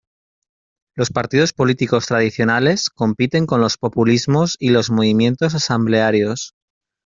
Los partidos políticos tradicionales compiten con los populismos y los movimientos asamblearios.